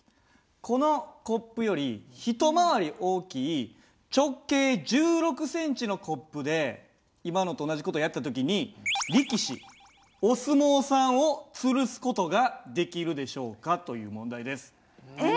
このコップより一回り大きい直径１６センチのコップで今のと同じ事をやった時に力士お相撲さんをつるす事ができるでしょうかという問題です。え？